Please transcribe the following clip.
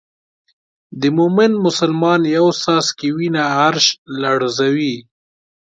د مومن مسلمان یو څاڅکی وینه عرش لړزوي.